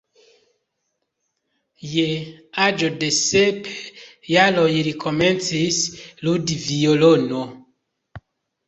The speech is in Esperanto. Je aĝo de sep jaroj li komencis ludi violonon.